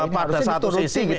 pada satu sisi